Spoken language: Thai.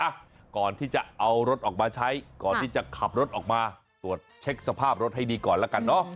อ่ะก่อนที่จะเอารถออกมาใช้ก่อนที่จะขับรถออกมาตรวจเช็คสภาพรถให้ดีก่อนแล้วกันเนอะ